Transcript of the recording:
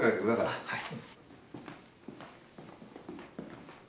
はい。